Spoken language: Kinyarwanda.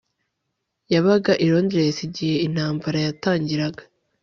Yabaga i Londres igihe intambara yatangiraga